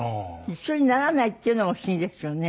一緒にならないっていうのも不思議ですよね。